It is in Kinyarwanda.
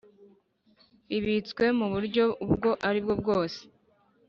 bibitswe mu buryo ubwo ari bwo bwose